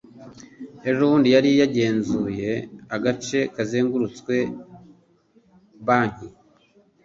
ejobundi yari yagenzuye agace kazengurutse banki